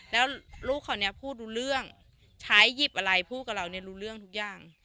แล้วลูกเขาเนี่ยพูดรู้เรื่องใช้หยิบอะไรพูดกับเราเนี่ยรู้เรื่องทุกอย่าง